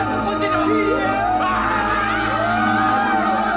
pannya pikir produp ini